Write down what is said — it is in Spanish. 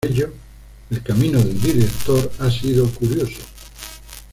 Por ello, el camino del director ha sido curioso.